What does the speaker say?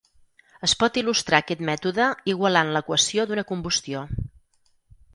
Es pot il·lustrar aquest mètode igualant l'equació d'una combustió.